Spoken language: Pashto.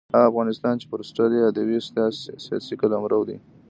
هغه افغانستان چې فورسټر یې یادوي سیاسي قلمرو دی.